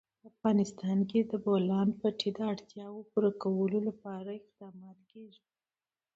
په افغانستان کې د د بولان پټي د اړتیاوو پوره کولو لپاره اقدامات کېږي.